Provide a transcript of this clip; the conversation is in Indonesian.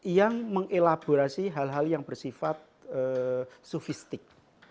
yang mengelaborasi hal hal yang bersifat sofistik